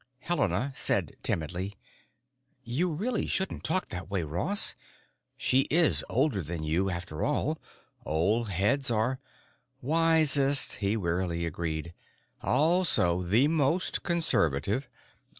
Helena said timidly: "You really shouldn't talk that way, Ross. She is older than you, after all. Old heads are——" "——wisest," he wearily agreed. "Also the most conservative.